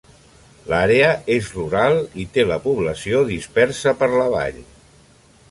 L'àrea és rural i té la població dispersa per la vall.